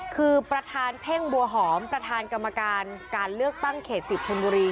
คือประธานเพ่งบัวหอมประธานกรรมการการเลือกตั้งเขต๑๐ชนบุรี